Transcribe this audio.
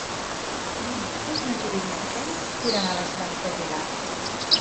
Dimecres na Judit i en Quel iran a les Valls d'Aguilar.